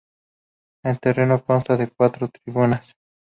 El terreno consta de cuatro tribunas.